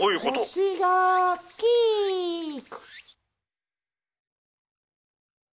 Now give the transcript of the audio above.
ホシガキック。